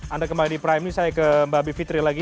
anda kembali di prime news saya ke mbak bivitri lagi